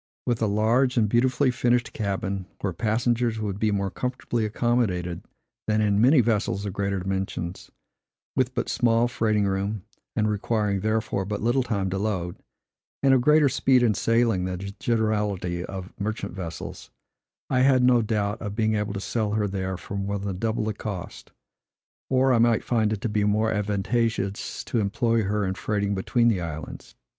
With a large and beautifully finished cabin, where passengers would be more comfortably accommodated than in many vessels of greater dimensions; with but small freighting room, and requiring, therefore, but little time to load, and of greater speed in sailing than the generality of merchant vessels, I had no doubt of being able to sell her there for more than double the cost; or I might find it to be more advantageous to employ her in freighting between the islands.